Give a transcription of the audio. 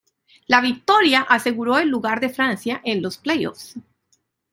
La victoria aseguró el lugar de Francia en los play-offs.